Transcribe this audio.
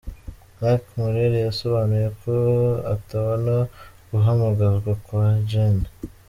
Jacques Morel yasobanuye ko atabona guhamagazwa kwa Gen.